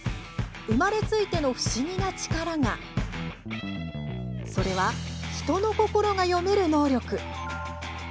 生まれついての不思議な力がそれは、人の心が読める能力。